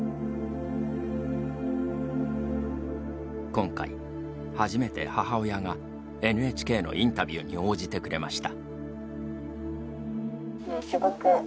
今回、初めて母親がＮＨＫのインタビューに応じてくれました。